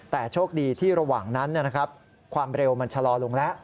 แต่โชคดีที่ระหว่างนั้นความเร็วมันชะลอลงแล้ว